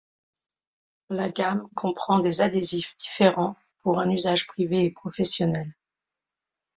La gamme comprend des adhésifs différents pour un usage privé et professionnel.